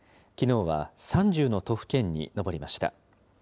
きのうは３０の都府県に上りました。